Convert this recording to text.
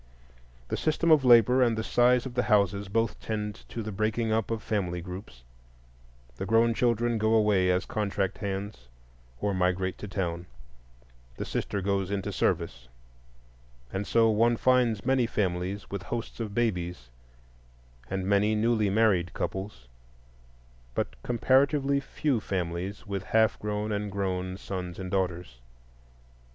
The system of labor and the size of the houses both tend to the breaking up of family groups: the grown children go away as contract hands or migrate to town, the sister goes into service; and so one finds many families with hosts of babies, and many newly married couples, but comparatively few families with half grown and grown sons and daughters.